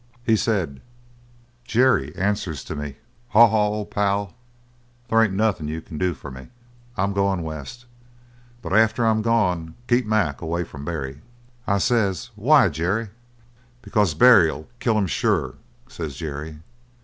He said: "Jerry answers to me: 'Haw Haw, old pal, there ain't nothin' you can do for me. I'm goin' West. But after I'm gone, keep Mac away from Barry.' "I says: 'Why, Jerry?" "'Because Barry'll kill him, sure,' says Jerry.